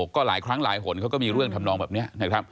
ก็หลายครั้งหลายหนเขาก็มีเรื่องทำนองแบบนี้นะครับ